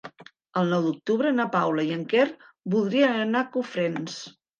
El nou d'octubre na Paula i en Quer voldrien anar a Cofrents.